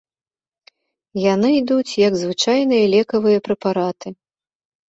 Яны ідуць як звычайныя лекавыя прэпараты.